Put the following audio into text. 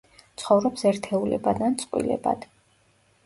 ცხოვრობს ერთეულებად ან წყვილებად.